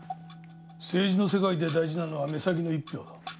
政治の世界で大事なのは目先の一票だ。